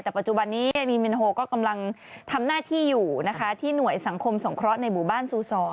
แต่ปัจจุบันนี้มีมินโฮก็กำลังทำหน้าที่อยู่นะคะที่หน่วยสังคมสงเคราะห์ในหมู่บ้านซูซอ